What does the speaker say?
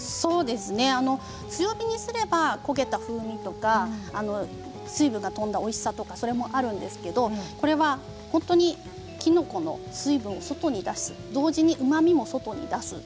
強火にすれば焦げた風味とか、水分が飛んだおいしさもあるんですけれどこれは本当に、きのこの水分を外に出すと同時にうまみを外に出す。